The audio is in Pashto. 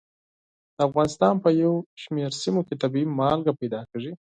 د افغانستان په یو شمېر سیمو کې طبیعي مالګه پیدا کېږي.